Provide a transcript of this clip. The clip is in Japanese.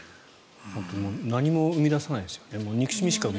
何も生み出さないですよね。